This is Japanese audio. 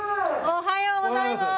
おはようございます。